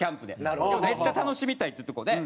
めっちゃ楽しみたいっていうところで。